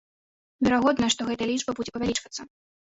Верагодна, што гэтая лічба будзе павялічвацца.